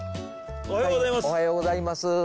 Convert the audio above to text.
おはようございます！